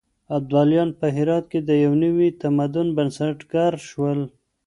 ابداليان په هرات کې د يو نوي تمدن بنسټګر شول.